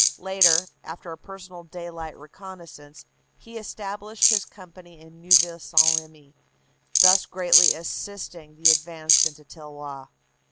Later, after a personal daylight recon naissance, he established his company in Neuville St. Remy, thus greatly assisting the advance into Tilloy.